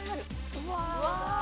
うわ。